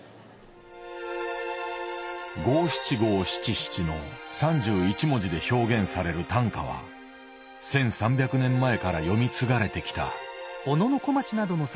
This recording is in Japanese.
五七五七七の３１文字で表現される短歌は１，３００年前からよみ継がれてきた。